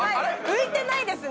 浮いてないですね。